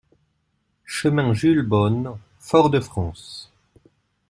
Chemin Jules Beaunes, Fort-de-France